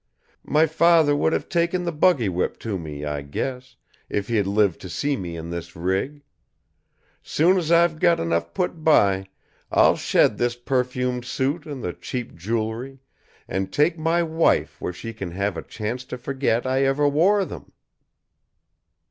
My father would have taken the buggy whip to me, I guess, if he'd lived to see me in this rig. Soon as I've enough put by, I'll shed this perfumed suit and the cheap jewelry and take my wife where she can have a chance to forget I ever wore them."